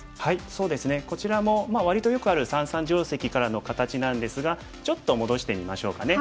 そうですねこちらも割とよくある三々定石からの形なんですがちょっと戻してみましょうかね。